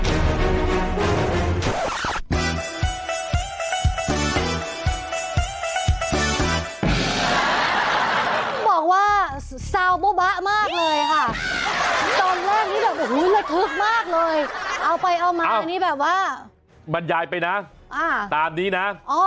เอาไปเอามาอันนี้แบบว่ามันยายไปนะตามนี้นะ